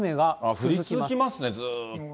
降り続きますね、ずっと。